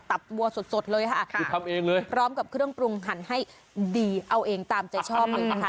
บัวสดเลยค่ะคือทำเองเลยพร้อมกับเครื่องปรุงหันให้ดีเอาเองตามใจชอบเลยนะคะ